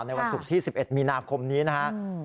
ในวันศุกร์ที่สิบเอ็ดมีนาคมนี้นะฮะอืม